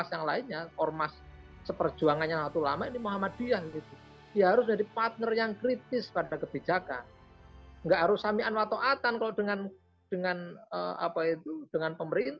saya berangkatkan tiga dua satu